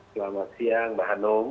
selamat siang mbak hanum